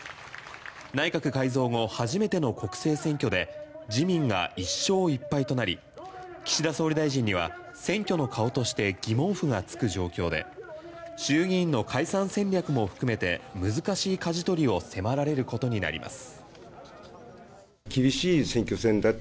内閣改造後初めての国政選挙で自民が１勝１敗となり岸田総理大臣には選挙の顔として疑問符がつく状況で衆議院の解散戦略も含めて難しい舵取りを迫られることになります。